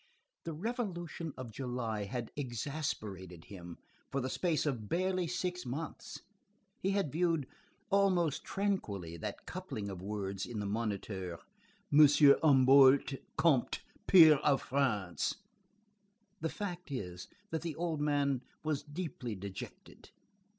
The Revolution of July had exasperated him for the space of barely six months. He had viewed, almost tranquilly, that coupling of words, in the Moniteur: M. Humblot Conté, peer of France. The fact is, that the old man was deeply dejected.